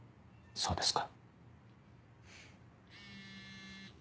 そうですか。